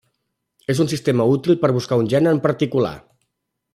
És un sistema útil per buscar un gen en particular.